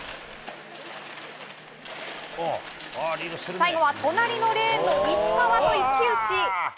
最後は隣のレーンの石川と一騎打ち。